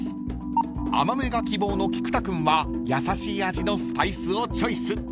［甘めが希望の菊田君は優しい味のスパイスをチョイス］